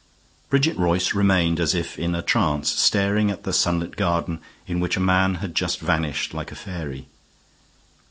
Bridget Royce remained as if in a trance, staring at the sunlit garden in which a man had just vanished like a fairy.